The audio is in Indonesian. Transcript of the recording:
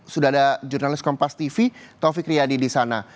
sudah ada jurnalis kompas tv taufik riyadi di sana